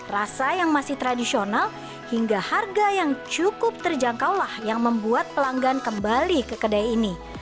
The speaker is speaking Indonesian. rasa yang masih tradisional hingga harga yang cukup terjangkaulah yang membuat pelanggan kembali ke kedai ini